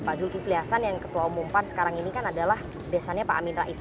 pak zulkifli hasan yang ketua umum pan sekarang ini kan adalah besannya pak amin rais